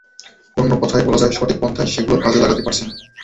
অন্য কথায় বলা যায়, সঠিক পন্থায় সেগুলো কাজে লাগাতে পারছি না।